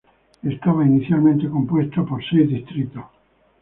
Estaba inicialmente compuesta por seis distritos.